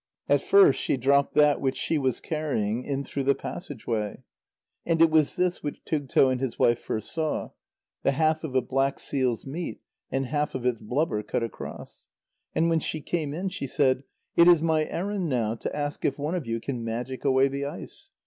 At first, she dropped that which she was carrying in through the passage way. And it was this which Tugto and his wife first saw; the half of a black seal's meat and half of its blubber cut across. And when she came in, she said: "It is my errand now to ask if one of you can magic away the ice."